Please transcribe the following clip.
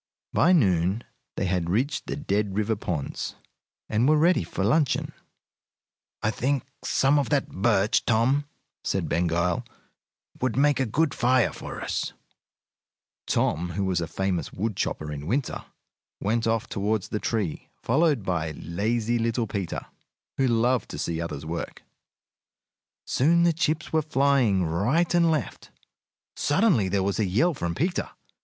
By noon they had reached the Dead River Ponds, and were ready for luncheon. "I think some of that birch, Tom," said Ben Gile, "would make a good fire for us." [Illustration: A. Feeding the baby wasps. B. A grown up wasp.] Tom, who was a famous woodchopper in winter, went off toward the tree, followed by lazy little Peter, who loved to see others work. Soon the chips were flying right and left. Suddenly there was a yell from Peter.